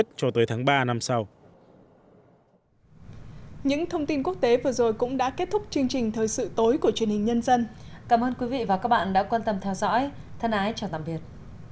thân ái chào tạm biệt